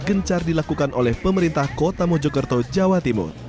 gencar dilakukan oleh pemerintah kota mojokerto jawa timur